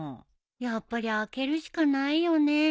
やっぱり開けるしかないよね。